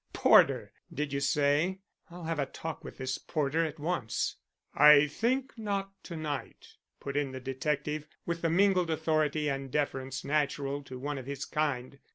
"Porter, did you say? I'll have a talk with this Porter at once." "I think not to night," put in the detective, with the mingled authority and deference natural to one of his kind.